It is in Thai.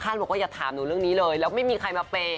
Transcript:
บอกว่าอย่าถามหนูเรื่องนี้เลยแล้วไม่มีใครมาเปย์